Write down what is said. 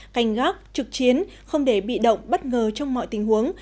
cảnh góc trực chiến không để bị động bất ngờ trong mọi tình huống